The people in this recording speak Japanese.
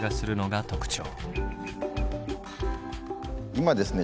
今ですね